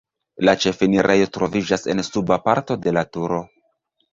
La ĉefenirejo troviĝas en suba parto de la turo.